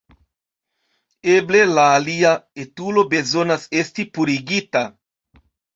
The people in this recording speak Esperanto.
Eble la alia etulo bezonas esti purigita.